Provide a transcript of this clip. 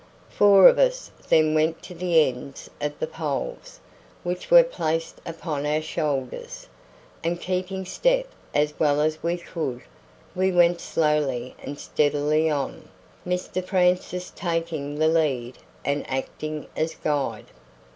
Four of us then went to the ends of the poles, which were placed upon our shoulders, and keeping step as well as we could, we went slowly and steadily on, Mr Francis taking the lead and acting as guide.